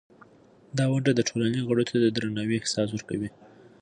دا ونډه د ټولنې غړو ته د درناوي احساس ورکوي.